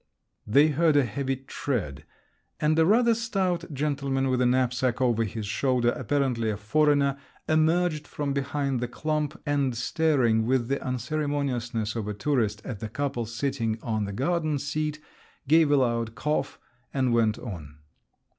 They heard a heavy tread, and a rather stout gentleman with a knapsack over his shoulder, apparently a foreigner, emerged from behind the clump, and staring, with the unceremoniousness of a tourist, at the couple sitting on the garden seat, gave a loud cough and went on.